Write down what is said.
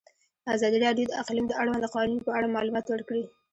ازادي راډیو د اقلیم د اړونده قوانینو په اړه معلومات ورکړي.